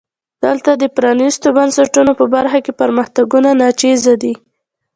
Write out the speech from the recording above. دلته د پرانیستو بنسټونو په برخه کې پرمختګونه ناچیزه دي.